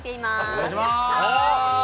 お願いしまーす